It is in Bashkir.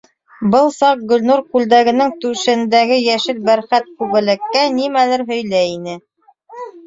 Был саҡ Гөлнур күлдәгенең түшендәге йәшел бәрхәт күбәләккә нимәлер һөйләй ине.